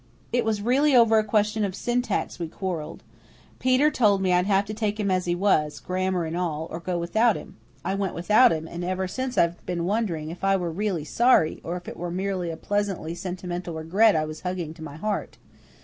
It was really over a question of syntax we quarrelled. Peter told me I'd have to take him as he was, grammar and all, or go without him. I went without him and ever since I've been wondering if I were really sorry, or if it were merely a pleasantly sentimental regret I was hugging to my heart.